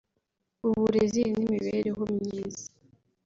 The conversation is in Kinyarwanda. uburezi n’imibereho myiza